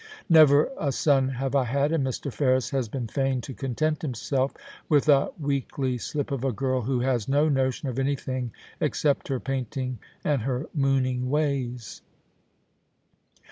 Never a son have I had, and Mr. Ferris has been fain to content himself with a weakly slip of a girl who has no notion of anything except her painting, and her mooning ways.'